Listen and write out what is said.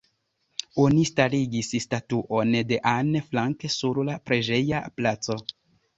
Oni starigis statuon de Anne Frank sur la preĝeja placo.